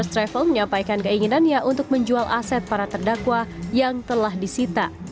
travel menyampaikan keinginannya untuk menjual aset para terdakwa yang telah disita